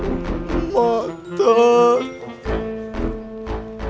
gak cari motor kamu tan